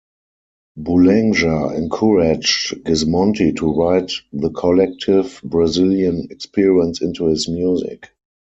Boulanger encouraged Gismonti to write the collective Brazilian experience into his music.